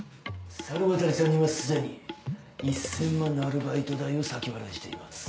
猿渡さんにはすでに１千万のアルバイト代を先払いしています。